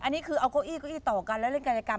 อันนี้คือเอาโก้นะคะกี้ต่อกันแล้วเล่นกรรยากาศ